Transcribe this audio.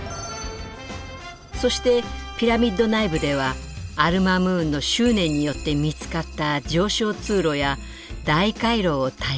そしてピラミッド内部ではアル・マムーンの執念によって見つかった上昇通路や大回廊を体感。